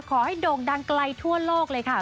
โด่งดังไกลทั่วโลกเลยค่ะ